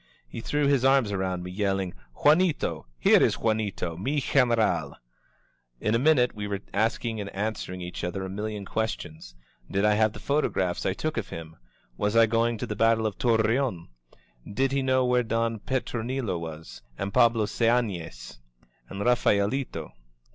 He threw his arms around me, yelling: ^^Juanito! Here is Juanito, mi Generair* In a minute we were asking and an swering each other a million questions. Did I haye the photographs I took of him? Was I going to the battle of Torreon? Did he know where Don Petronilo was? And Pablo Seanes? And Raphaelito?